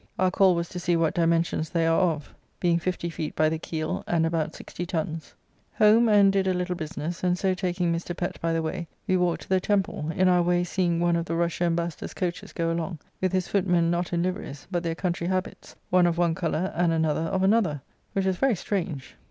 Our call was to see what dimensions they are of, being 50 feet by the keel and about 60 tons. Home and did a little business, and so taking Mr. Pett by the way, we walked to the Temple, in our way seeing one of the Russia Embassador's coaches go along, with his footmen not in liverys, but their country habits; one of one colour and another of another, which was very strange.